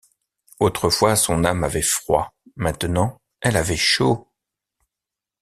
Autrefois son âme avait froid, maintenant elle avait chaud.